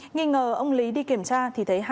nghi ngờ ông lý đi kiểm tra thì thấy hàng trăm